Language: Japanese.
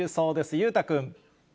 裕太君。